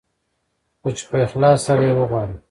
خو چې په اخلاص سره يې وغواړې.